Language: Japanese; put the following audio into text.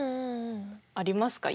ありますか？